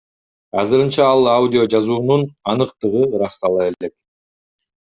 Азырынча ал аудиожазуунун аныктыгы ырастала элек.